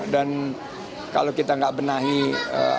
dan kalau kita tidak benahi hanya kita berharap